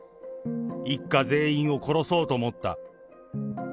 一家全員を殺そうと思った。